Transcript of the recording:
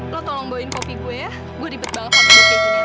lo tolong bawain kopi gue ya gue dibut bangkang di bukitnya